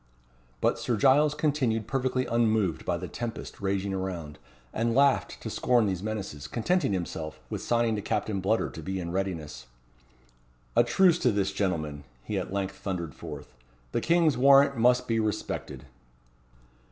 But Sir Giles continued perfectly unmoved by the tempest raging around, and laughed to scorn these menaces, contenting himself with signing to Captain Bludder to be in readiness. "A truce to this, gentlemen;" he at length thundered forth; "the King's warrant must be respected."